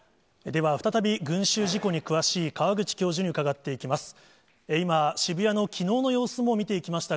では、再び、群集事故に詳しい川口教授に伺っていきます。